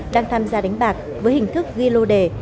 đang tham gia đánh bạc với hình thức ghi lô đề